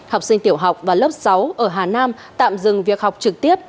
học sinh tiểu học và lớp sáu ở hà nam tạm dừng việc học trực tiếp